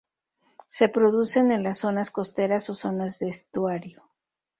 Se producen en las zonas costeras o zonas de estuario.